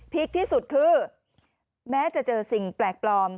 คที่สุดคือแม้จะเจอสิ่งแปลกปลอม